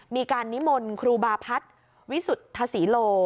มีการนิมนต์ครูบาพัฒน์วิสุทธศรีโล